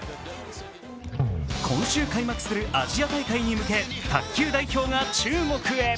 今週開幕するアジア大会に向け卓球代表が中国へ。